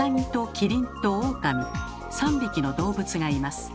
３匹の動物がいます。